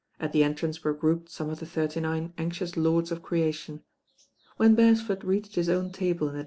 At the entrance were grouped some of the Thirty Nine anxious lords of creation. When Beresford reached his own table in the